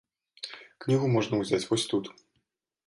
Кнігу можна ўзяць вось тут.